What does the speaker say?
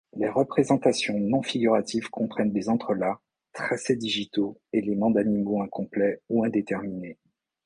Les représentations non figuratives comprennent des entrelacs, tracés digitaux, éléments d'animaux incomplets ou indéterminés.